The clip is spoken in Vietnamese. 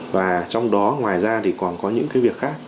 và trong đó ngoài ra thì còn có những cái việc khác